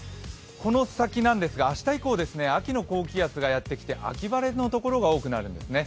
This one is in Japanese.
この先、明日以降、秋の高気圧がやってきて秋晴れの所が多くなるんですね。